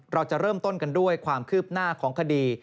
เราจะเริ่มต้นกันด้วยความคืบหน้าของคดี